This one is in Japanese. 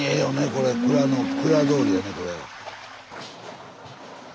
これ蔵通りやねこれ。